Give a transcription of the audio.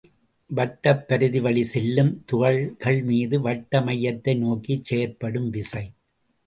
வட்டப்பரிதி வழிச் செல்லும் துகள்மீது வட்ட மையத்தை நோக்கிச் செயற்படும் விசை.